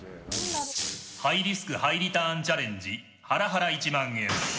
ハイリスクハイリターンチャレンジハラハラ１万円。